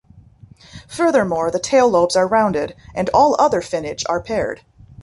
Furthermore, the tail lobes are rounded, and all other finnage are paired.